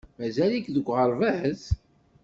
Mazal-ik deg uɣerbaz?